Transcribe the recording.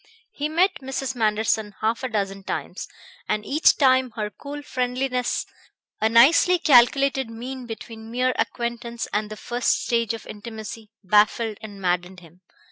He met Mrs. Manderson half a dozen times, and each time her cool friendliness, a nicely calculated mean between mere acquaintance and the first stage of intimacy, baffled and maddened him.